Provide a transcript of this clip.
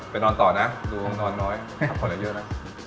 ไปนอนต่อนะดูว่านอนน้อยทำขนาดเยอะนะ